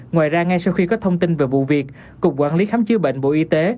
ngoài ra ngay sau khi có thông tin về vụ việc cục quản lý khám chữa bệnh bộ y tế